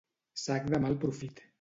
Sac de mal profit.